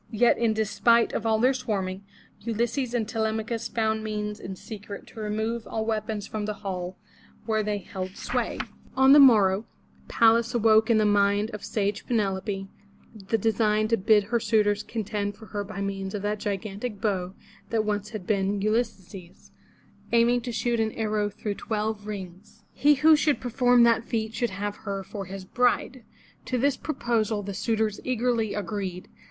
Yet in despite of all their swarming, Ulysses and Telemachus found means in secret to remove all weapons from the hall where they held sway. 433 MY BOOK HOUSE On the morrow Pallas awoke in the mind of sage Penelope the design to bid her suitors contend for her by means of that gigantic bow that once had been Ulysses', aiming to shoot an arrow through twelve rings. He who should perform that feat should have her for his bride. To this proposal the suitors eagerly agreed.